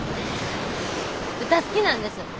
歌好きなんです。